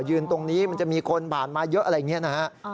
ตรงนี้มันจะมีคนผ่านมาเยอะอะไรอย่างนี้นะฮะ